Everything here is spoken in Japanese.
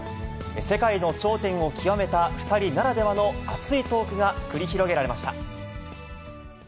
世界の頂点を極めた２人ならではの熱いトークが繰り広げられまし